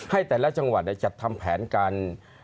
แต่ละจังหวัดจัดทำแผนการ